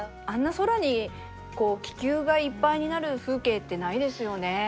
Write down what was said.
あんな空にこう気球がいっぱいになる風景ってないですよね。